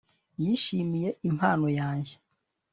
yishimiye impano yanjye